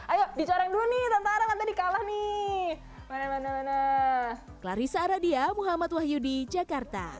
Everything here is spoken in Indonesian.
ayo dicoreng dulu nih nanti kalah nih